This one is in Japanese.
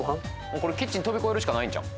これキッチン飛び越えるしかないんちゃう？